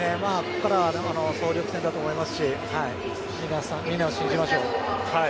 総力戦だと思いますしみんなを信じましょう。